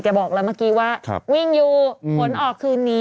บอกแล้วเมื่อกี้ว่าวิ่งอยู่ผลออกคืนนี้